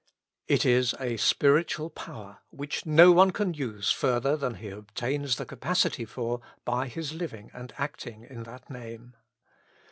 It is a spiritual power which no one can use further than he obtains the capacity for by his living and acting in that Name.